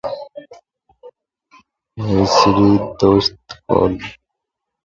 The plan was strongly opposed by the Guildwood Village Community Association.